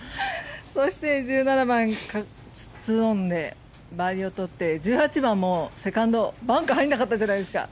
そして１７番２オンでバーディーを取って１８番もセカンド、バンカーに入らなかったじゃないですか。